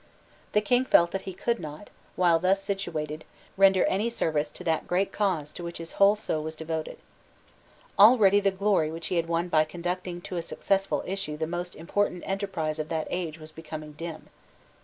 The King felt that he could not, while thus situated, render any service to that great cause to which his whole soul was devoted. Already the glory which he had won by conducting to a successful issue the most important enterprise of that age was becoming dim.